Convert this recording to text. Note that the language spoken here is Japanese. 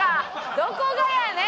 どこがやねん！